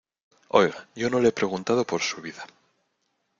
oiga, yo no le he preguntado por su vida.